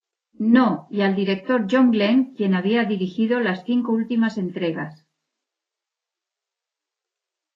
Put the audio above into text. No", y al director John Glen, quien había dirigido las cinco últimas entregas.